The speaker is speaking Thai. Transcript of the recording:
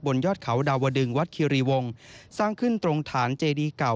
ยอดเขาดาวดึงวัดคิรีวงสร้างขึ้นตรงฐานเจดีเก่า